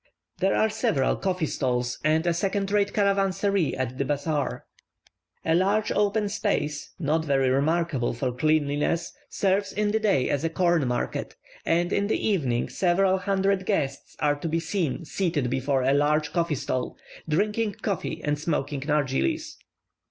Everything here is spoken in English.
There are several coffee stalls and a second rate caravansary in the bazaar. A large open space, not very remarkable for cleanliness, serves in the day as a corn market; and in the evening several hundred guests are to be seen seated before a large coffee stall, drinking coffee and smoking nargillies.